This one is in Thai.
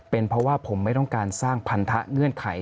เป็นเพราะว่าผมไม่ต้องการสร้างพันธะเงื่อนไข